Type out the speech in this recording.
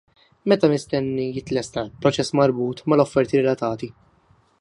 Meta mistenni jitlesta l-proċess marbut mal-offerti relatati?